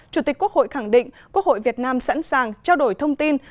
chủ tịch quốc hội khẳng định quốc hội việt nam sẵn sàng trao đổi thông tin